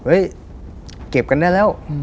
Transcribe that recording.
เฮ้ยเก็บกันได้แล้ว